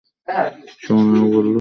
সুনায়না বলল, কেউ নেই বাড়িতে।